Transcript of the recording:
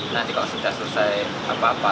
nanti kalau sudah selesai apa apa